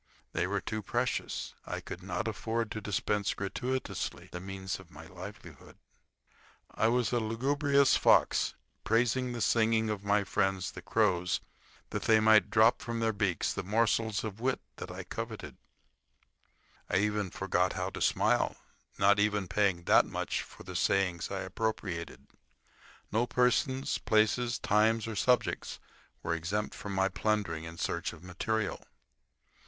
They were too precious. I could not afford to dispense gratuitously the means of my livelihood. I was a lugubrious fox praising the singing of my friends, the crow's, that they might drop from their beaks the morsels of wit that I coveted. Nearly every one began to avoid me. I even forgot how to smile, not even paying that much for the sayings I appropriated. No persons, places, times, or subjects were exempt from my plundering in search of material.